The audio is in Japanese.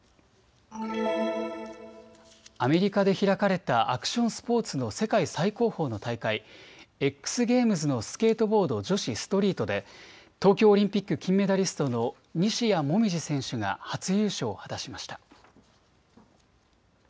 アメリカで開かれたアクションスポーツの世界最高峰の大会、Ｘゲームズのスケートボード女子ストリートで東京オリンピック金メダリストの西矢椛選手が初優勝を果たしました。